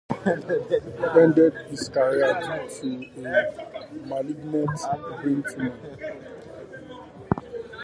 He ended his career due to a malignant brain tumor.